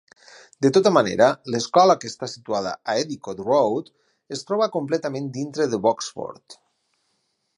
De tota manera, l'escola, que està situada a Endicott Road, es troba completament dintre de Boxford.